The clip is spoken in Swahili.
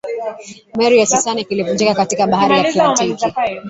meli ya titanic ilivunjika katika bahari ya atlantiki